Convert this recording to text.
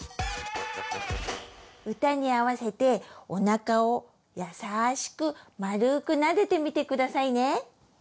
歌に合せておなかを優しくまるくなでてみてくださいね！